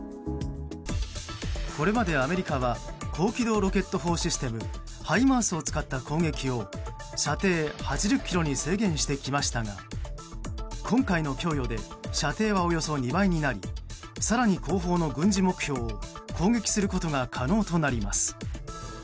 これまで、アメリカは高機動ロケット砲システムハイマースを使った攻撃を射程８０ｋｍに制限してきましたが今回の供与で射程はおよそ２倍になり更に後方の軍事目標を攻撃することが可能となります。